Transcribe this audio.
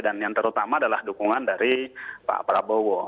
dan yang terutama adalah dukungan dari pak prabowo